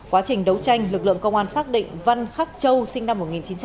quá trình đấu tranh lực lượng công an xác định văn khắc châu sinh năm một nghìn chín trăm tám mươi